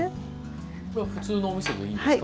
これは普通のおみそでいいんですか？